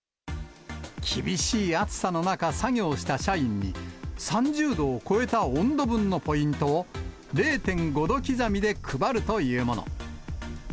厳しい暑さの中、作業した社員に、３０度を超えた温度分のポイントを、０．５度刻みで配るというもの。